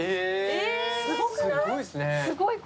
すごくない？